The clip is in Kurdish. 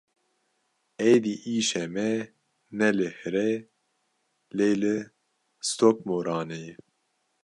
Êdî îşê me ne li hire lê li Stokmoranê ye.